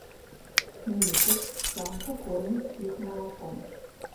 Месяц самка корміць іх малаком.